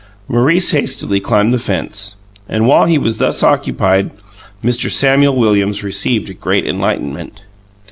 Maurice hastily climbed the fence, and while he was thus occupied Mr. Samuel Williams received a great enlightenment.